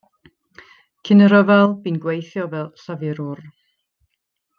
Cyn y rhyfel bu'n gweithio fel llafurwr.